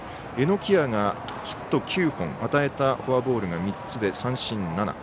榎谷がヒット９本与えたフォアボールが３つで三振７。